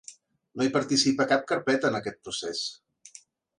No hi participa cap carpeta en aquest procés.